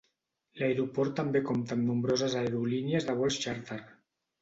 L'aeroport també compta amb nombroses aerolínies de vols xàrter.